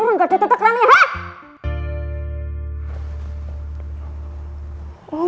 enggak pernah di gedeg ini orang